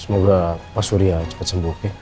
semoga pak surya cepat sembuh